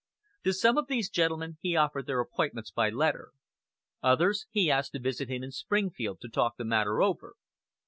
To some of these gentlemen he offered their appointments by letter. Others he asked to visit him in Springfield to talk the matter over.